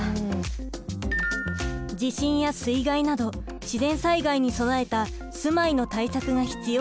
地震や水害など自然災害に備えた住まいの対策が必要です。